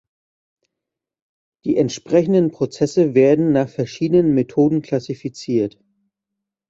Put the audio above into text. Die entsprechenden Prozesse werden nach verschiedenen Methoden klassifiziert.